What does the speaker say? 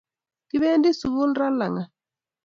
kibendi sukul raa langat